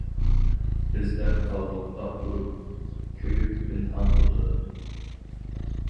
بىزلەر قالدۇق ئاھ ئۇرۇپ، كۆيۈپ پىنھان ئوتىدا.